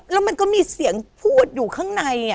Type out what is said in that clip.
แล้วมันก็มีเสียงพูดอยู่ข้างใน